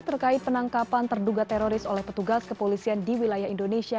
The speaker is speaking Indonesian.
terkait penangkapan terduga teroris oleh petugas kepolisian di wilayah indonesia